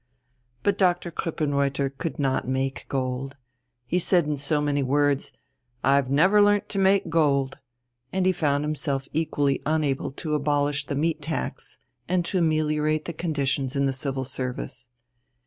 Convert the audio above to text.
But Doctor Krippenreuther could not make gold he said in so many words, "I've never learnt to make gold," and he found himself equally unable to abolish the meat tax and to ameliorate the conditions in the Civil Service.